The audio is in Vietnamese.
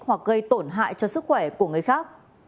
hoặc gây tổn hại cho sức khỏe của người khác